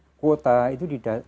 jadi kita bisa menambahkan ke berapa